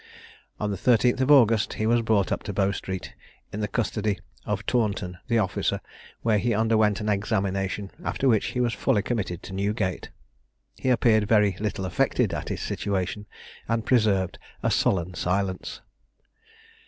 On the 13th of August he was brought up to Bow Street, in the custody of Taunton the officer, where he underwent an examination, after which he was fully committed to Newgate. He appeared very little affected at his situation, and preserved a sullen silence.